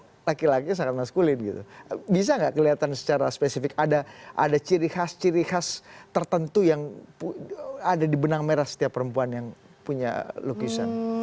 karena seni laki laki sangat maskulin gitu bisa nggak kelihatan secara spesifik ada ciri khas ciri khas tertentu yang ada di benang merah setiap perempuan yang punya lukisan